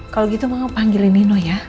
kalau gitu mau panggilin nino ya